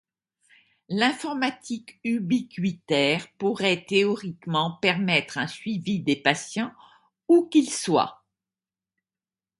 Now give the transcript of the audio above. L'informatique ubiquitaire pourrait théoriquement permettre un suivi des patients où qu'ils soient.